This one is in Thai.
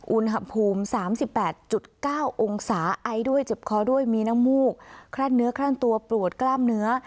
อุณหภูมิ๓๘๙องศาไอด้วยเจ็บคอด้วยมีน้ำมูกคลั่นเนื้อคลั่นตัวปวดกล้ามเนื้อ